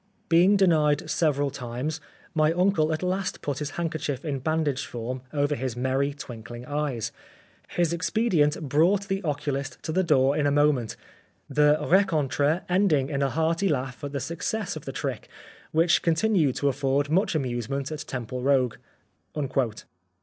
Being denied several times, my uncle at last put his handkerchief in bandage form over his merry, twinkling eyes ; his expedient brought the ocuhst to the door in a moment ; the rencontre ending in a hearty laugh at the success of the trick — which continued to afford much amuse ment at Templerogue."